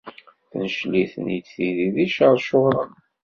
Tencel-iten-d tidi d icercuren.